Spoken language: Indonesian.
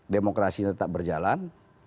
demokrasi tetap berjalan